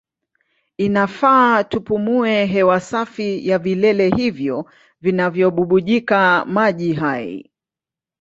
Inafaa tupumue hewa safi ya vilele hivyo vinavyobubujika maji hai.